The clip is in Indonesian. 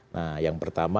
nah yang pertama